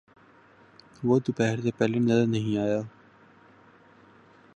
وہ دوپہر سے پہلے نظر نہیں آیا۔